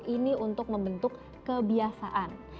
ini untuk membentuk kebiasaan